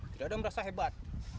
tidak ada yang merasa hebat